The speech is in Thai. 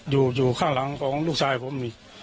อยู่ข้างหลังของลูกชายผมนี่